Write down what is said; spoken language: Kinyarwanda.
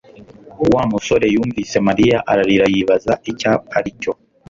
Wa musore yumvise Mariya arira yibaza icyo ari cyo